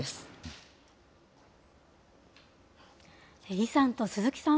イさんと鈴木さん